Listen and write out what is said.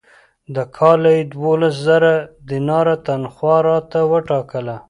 د کاله یې دوولس زره دیناره تنخوا راته وټاکله.